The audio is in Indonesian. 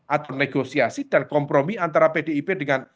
atau negosiasi dan kompromi antara pdip dengan